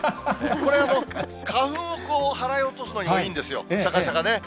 これ、花粉を払い落とすのにはいいんですよ、しゃかしゃかね。